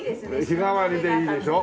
日替わりでいいでしょ？